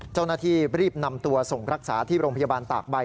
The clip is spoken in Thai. เจ้าหน้าที่รีบนำตัวส่งรักษาที่โรงพยาบาลตากใบ